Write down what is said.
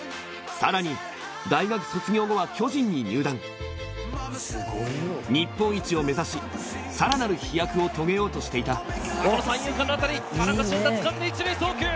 さらに大学卒業後は巨人に入団日本一を目指しさらなる飛躍を遂げようとしていた三遊間の当たり田中俊太つかんで１塁へ送球。